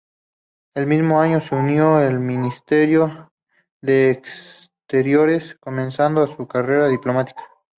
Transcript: Ese mismo año se unió al Ministerio de Exteriores, comenzando su carrera diplomática.